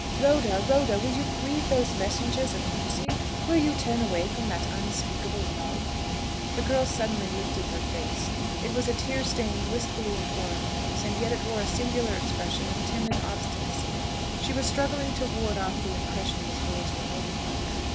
Rhoda, Rhoda, will you grieve those messengers of mercy? Will you turn away from that unspeakable love?" The girl suddenly lifted her face. It was a tear stained, wistfully imploring face, and yet it wore a singular expression of timid obstinacy. She was struggling to ward off the impression his words were making on her.